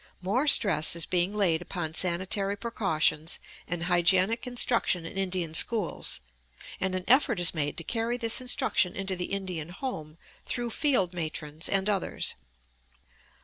More stress is being laid upon sanitary precautions and hygienic instruction in Indian schools, and an effort is made to carry this instruction into the Indian home through field matrons and others.